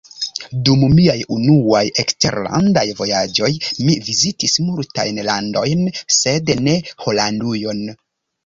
Dum miaj unuaj eksterlandaj vojaĝoj mi vizitis multajn landojn, sed ne Holandujon.